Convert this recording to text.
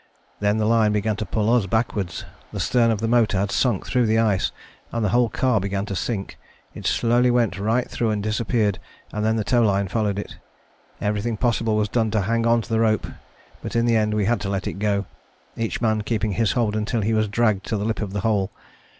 Then the line began to pull us backwards; the stern of the motor had sunk through the ice, and the whole car began to sink. It slowly went right through and disappeared and then the tow line followed it. Everything possible was done to hang on to the rope, but in the end we had to let it go, each man keeping his hold until he was dragged to the lip of the hole.